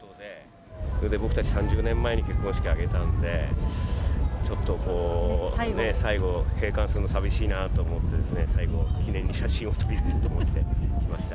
僕たち３０年前に結婚式を挙げたんで、ちょっとこう、最後、閉館するのさみしいなと思って、最後記念に写真を撮りにと思って来ました。